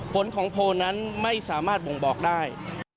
ผลของโพลนั้นไม่สามารถบ่งบอกได้